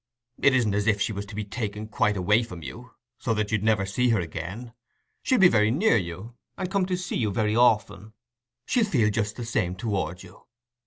"It isn't as if she was to be taken quite away from you, so that you'd never see her again. She'll be very near you, and come to see you very often. She'll feel just the same towards you."